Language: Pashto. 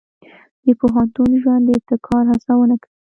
د پوهنتون ژوند د ابتکار هڅونه کوي.